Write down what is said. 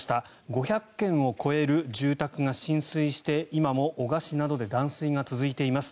５００軒を超える住宅が浸水して今も男鹿市などで断水が続いています。